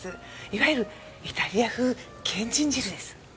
いわゆるイタリア風けんちん汁です。